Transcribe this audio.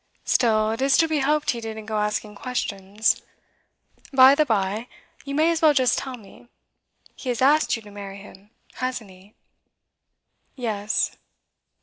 Still, it is to be hoped he didn't go asking questions. By the bye, you may as well just tell me: he has asked you to marry him, hasn't he?' 'Yes.